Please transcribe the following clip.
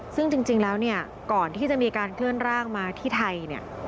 ซึ่งจริงแล้วก่อนที่จะมีอย่างเที่ยวมาที่ไทยเนี่ย